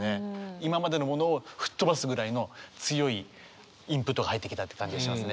今までのものを吹っ飛ばすぐらいの強いインプットが入ってきたって感じがしますね。